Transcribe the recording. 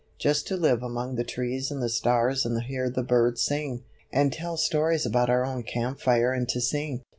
Just to live among the trees and the stars and hear the birds sing, and tell stories about our own camp fire and to sing."